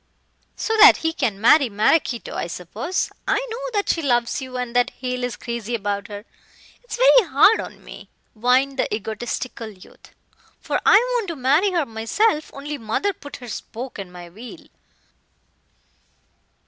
"So that he can marry Maraquito, I suppose. I know that she loves you and that Hale is crazy about her. It's very hard on me," whined the egotistical youth, "for I want to marry her myself, only mother put her spoke in my wheel."